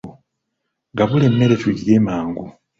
Gabula emmere tugirye mangu.